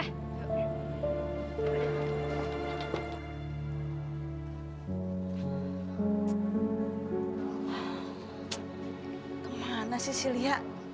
kemana sih si lia